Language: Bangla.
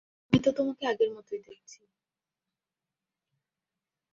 আমি তো তোমাকে আগের মতই দেখছি।